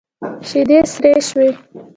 شيدې سرې شوې.